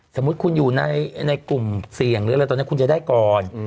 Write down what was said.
สมมุติคุณอยู่ในกลุ่มเสี่ยงหรืออะไรตอนนี้คุณจะได้ก่อน